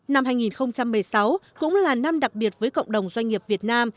năm hai nghìn một mươi sáu cũng là năm đặc biệt với cộng đồng doanh nghiệp việt nam